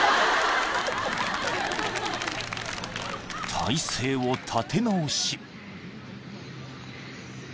［体勢を立て直し］